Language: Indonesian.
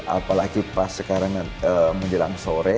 apalagi pas sekarang menjelang sore